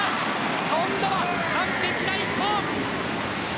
今度は完璧な１本。